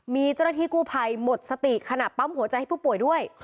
มีเจ้าหน้าที่กู้ภัยหมดสติขณะปั๊มหัวใจให้ผู้ป่วยด้วย